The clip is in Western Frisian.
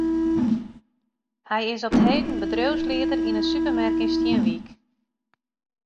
Hy is op 't heden bedriuwslieder yn in supermerk yn Stienwyk.